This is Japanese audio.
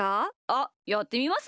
あっやってみます？